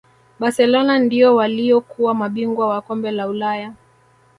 barcelona ndio waliyokuwa mabingwa wa kombe la ulaya